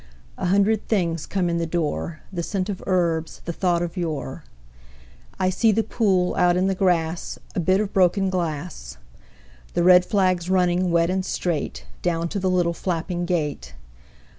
A hundred things come in the door, The scent of herbs, the thought of yore. I see the pool out in the grass, A bit of broken glass; The red flags running wet and straight, Down to the little flapping gate.